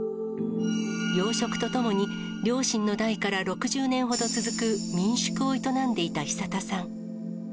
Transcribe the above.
養殖とともに両親の代から６０年ほど続く民宿を営んでいた久田さん。